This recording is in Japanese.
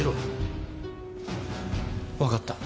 分かった。